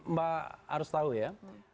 mbak harus tahu ya